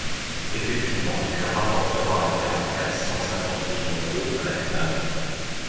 Effectivement, elle rapportera, à terme, quatre cent cinquante millions d’euros à la CNAV.